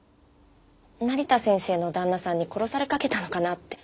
成田先生の旦那さんに殺されかけたのかなって。